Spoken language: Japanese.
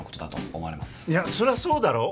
いやそりゃそうだろ。